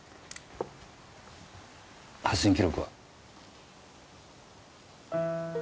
発信記録は？